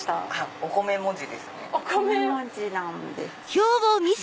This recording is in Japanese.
お米文字なんですフフフ。